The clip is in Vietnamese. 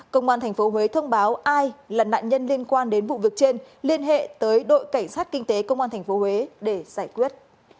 công an tp huế thông báo ai là nạn nhân liên quan đến vụ việc trên liên hệ tới đội cảnh sát kinh tế công an tp huế để giải quyết